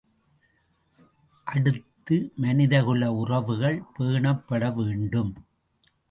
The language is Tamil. அடுத்து மனிதகுல உறவுகள் பேணப்பட வேண்டும்.